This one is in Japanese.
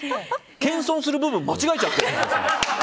謙遜する部分、間違えちゃってる。